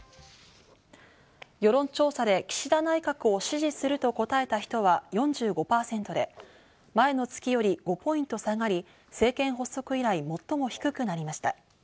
世論調査で岸田内閣を支持すると答えた人は４５％で、前の月より５ポイント下がり政権発足以来、最も低くなりました。